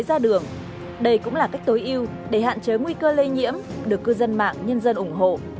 ra đường đây cũng là cách tối ưu để hạn chế nguy cơ lây nhiễm được cư dân mạng nhân dân ủng hộ